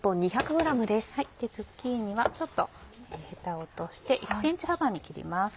ズッキーニはちょっとヘタを落として１ｃｍ幅に切ります。